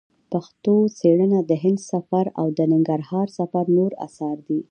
پښتو څېړنه د هند سفر او د ننګرهار سفر نور اثار دي.